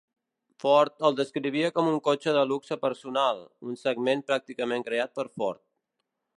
Ford el descrivia com un cotxe de luxe personal, un segment pràcticament creat per Ford.